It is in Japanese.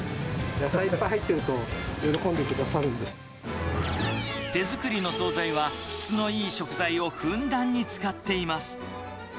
野菜いっぱい入ってると、手作りの総菜は、質のいい食材をふんだんに使っています。